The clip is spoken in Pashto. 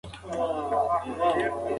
مطالعه د ماشوم ذهن تقویه کوي.